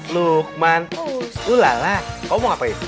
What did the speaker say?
lukman ulala kau mau ngapain